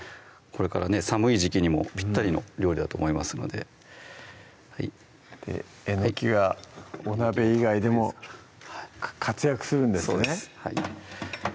これからね寒い時季にもぴったりの料理だと思いますのでえのきがお鍋以外でも活躍するんですね